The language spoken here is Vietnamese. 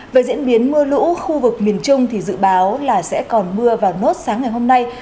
về diễn biến mưa lũ khu vực miền trung thì dự báo là sẽ còn mưa vào nốt sáng ngày hôm nay